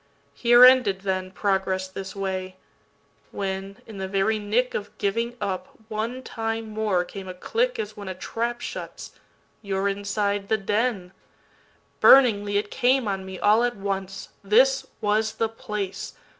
Here ended, then, Progress this way. When, in the very nickOf giving up, one time more, came a clickAs when a trap shuts—you 're inside the den. Burningly it came on me all at once, This was the place!